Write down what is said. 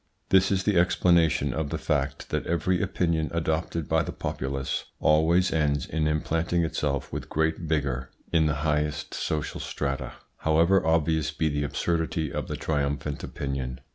This is the explanation of the fact that every opinion adopted by the populace always ends in implanting itself with great vigour in the highest social strata, however obvious be the absurdity of the triumphant opinion.